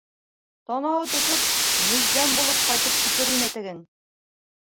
Танауы төшөп, мөз-дәм булып ҡайтып китер ине тегең.